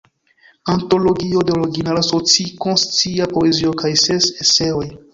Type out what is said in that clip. Antologio de originala soci-konscia poezio kaj ses eseoj.